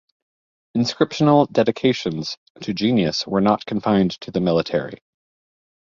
Inscriptional dedications to "genius" were not confined to the military.